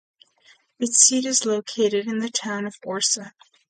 Its seat is located in the town of Orsa.